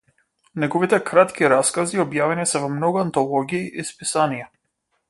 Неговите кратки раскази објавени се во многу антологии и списанија.